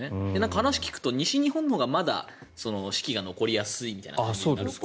話を聞くと西日本のほうがまだ四季が残りやすいんじゃないかとか。